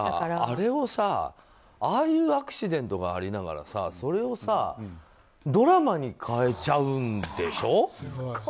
でもさ、ああいうアクシデントがありながらそれをドラマに変えちゃうんでしょ。